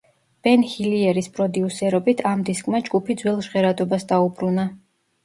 ბენ ჰილიერის პროდიუსერობით, ამ დისკმა ჯგუფი ძველ ჟღერადობას დაუბრუნა.